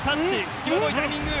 際どいタイミング。